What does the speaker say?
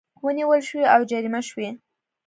ونیول شوې او جریمه شوې